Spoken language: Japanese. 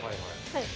はい。